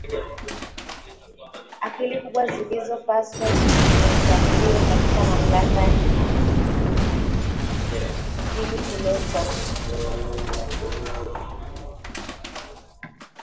akili kubwa zilizopaswa zizingatiwe katika mamlaka ili kuleta